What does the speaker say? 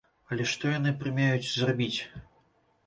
Але што яны прымеюць зрабіць?